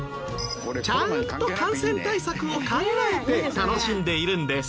ちゃんと感染対策を考えて楽しんでいるんです。